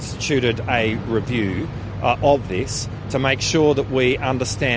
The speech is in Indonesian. kita memahami semua pelajaran